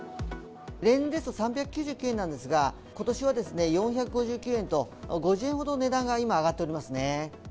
例年ですと３９９円なんですが、ことしは４５９円と、５０円ほど値段が今、上がっておりますね。